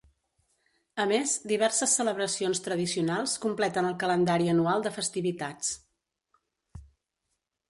A més, diverses celebracions tradicionals completen el calendari anual de festivitats.